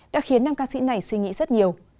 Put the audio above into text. đã khiến nam ca sĩ này suy nghĩ rất nhiều